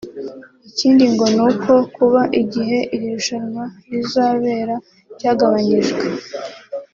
Ikindi ngo n’uko kuba igihe iri rushanwa rizabera cyagabanyijwe